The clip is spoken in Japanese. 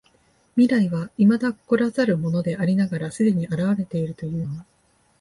未来は未だ来らざるものでありながら既に現れているというのは、